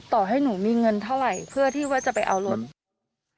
ต่อให้หนูมีเงินเท่าไหร่เพื่อที่ว่าจะไปเอารถ